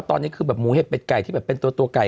ตอนนี้คือแบบหมูเห็ดเป็ดไก่ที่แบบเป็นตัวไก่